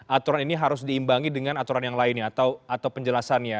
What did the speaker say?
aturan ini harus diimbangi dengan aturan yang lainnya atau penjelasannya